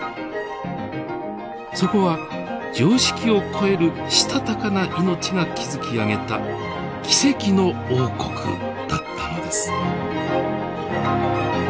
そこは常識を超えるしたたかな命が築き上げた奇跡の王国だったのです。